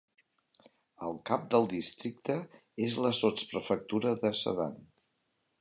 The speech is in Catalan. El cap del districte és la sotsprefectura de Sedan.